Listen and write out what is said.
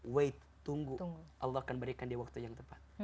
wait tunggu allah akan berikan di waktu yang tepat